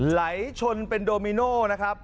ไหลชนเป็นโดมิโน่นะครับ